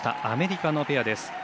アメリカのペアです。